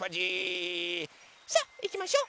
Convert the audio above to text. さあいきましょ！